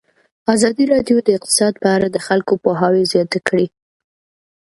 ازادي راډیو د اقتصاد په اړه د خلکو پوهاوی زیات کړی.